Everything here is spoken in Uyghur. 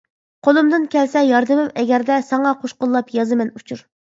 قولۇمدىن كەلسە ياردىمىم ئەگەردە، ساڭا قوش قوللاپ يازىمەن ئۇچۇر.